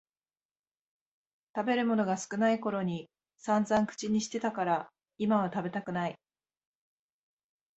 食べるものが少ないころにさんざん口にしてたから今は食べたくない